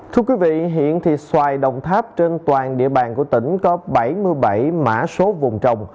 thưa quý vị hiện thì xoài đồng tháp trên toàn địa bàn của tỉnh có bảy mươi bảy mã số vùng trồng